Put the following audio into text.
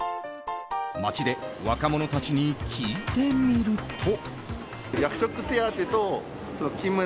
街で若者たちに聞いてみると。